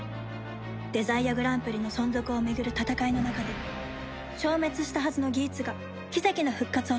デザイアグランプリの存続を巡る戦いの中で消滅したはずのギーツが奇跡の復活を遂げた